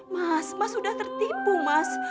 mas mah sudah tertipu mas